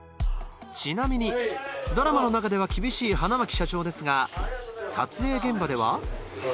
ちなみにドラマの中では厳しい花巻社長ですが撮影現場ではえ！？